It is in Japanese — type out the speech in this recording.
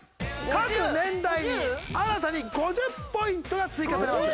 各年代に新たに５０ポイントが追加されます。